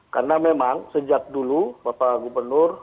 karena memang sejak dulu bapak gubernur